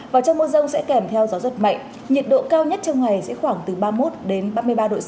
và trong mưa rông sẽ kèm theo gió giật mạnh